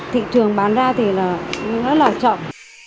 thị trường bán ra thì rất là chậm